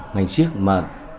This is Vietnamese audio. ngành chiếc mà